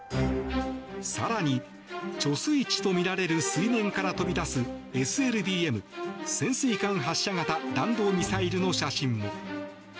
更に、貯水池とみられる水面から飛び出すＳＬＢＭ・潜水艦発射型弾道ミサイルの写真も。